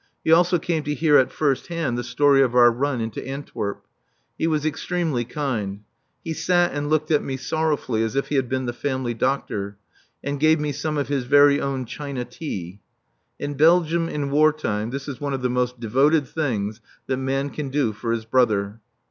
He also came to hear at first hand the story of our run into Antwerp. He was extremely kind. He sat and looked at me sorrowfully, as if he had been the family doctor, and gave me some of his very own China tea (in Belgium in war time this is one of the most devoted things that man can do for his brother).